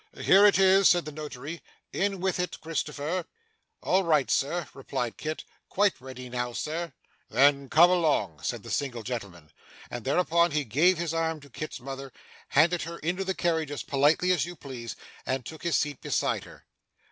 'Here it is,' said the Notary. 'In with it, Christopher.' 'All right, Sir,' replied Kit. 'Quite ready now, sir.' 'Then come along,' said the single gentleman. And thereupon he gave his arm to Kit's mother, handed her into the carriage as politely as you please, and took his seat beside her.